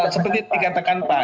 seperti dikatakan pak